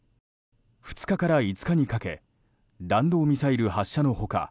２日から５日にかけ弾道ミサイル発射の他